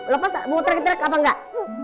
lepas gue nge triak triak apa enggak